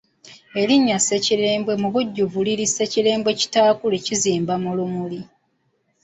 Erinnya Ssekirembwe mu bujjuvu liri Ssekirembwe kitaakule kizimba mu lumuli.